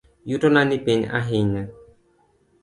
Yutona nipiny ahinya.